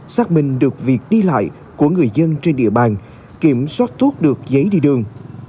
xác minh được việc đi lại của người dân trên địa bàn kiểm soát tốt được giấy đi đường